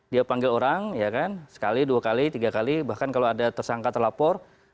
dia panggil orang ya kan sekali dua kali tiga kali bahkan kalau ada tersangka terlapor